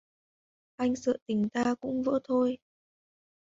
Anh sợ tình ta cũng vỡ thôi